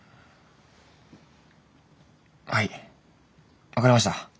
はい分かりました。